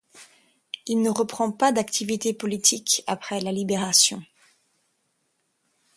Il ne reprend pas d'activité politique après la Libération.